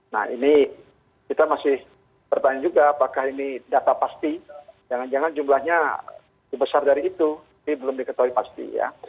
nah ini kita masih bertanya juga apakah ini data pasti jangan jangan jumlahnya besar dari itu tapi belum diketahui pasti ya